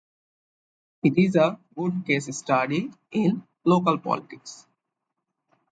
It is a good case study in local politics.